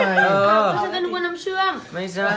ก็ฉันจะนึกว่าน้ำเชื่อม